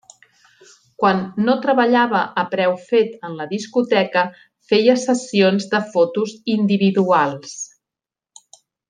Quan no treballava a preu fet en la discoteca feia sessions de fotos individuals.